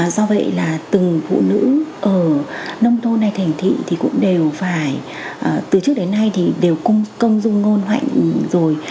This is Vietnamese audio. do vậy là từng phụ nữ ở nông thôn hay thành thị thì cũng đều phải từ trước đến nay thì đều công dung ngôn hạnh rồi